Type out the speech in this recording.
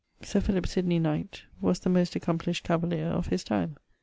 Sir Philip Sydney[BX], knight, was the most accomplished cavalier of his time.